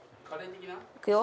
いくよ。